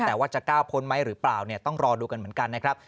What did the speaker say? แต่ว่าจะก้าวพ้นไหมหรือเปล่าเนี่ยต้องรอดูกันเหมือนกันนะครับ